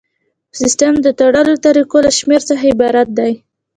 سیسټم د تړلو طریقو له شمیر څخه عبارت دی.